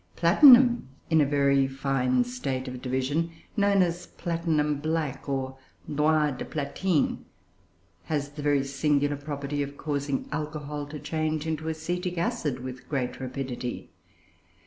Platinum in a very fine state of division known as platinum black, or noir de platine has the very singular property of causing alcohol to change into acetic acid with great rapidity.